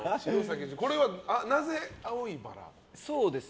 これはなぜ青いバラを？